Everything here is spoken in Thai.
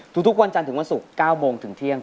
ทุกวันจันทร์ถึงวันศุกร์๙โมงถึงเที่ยง